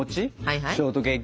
ショートケーキ？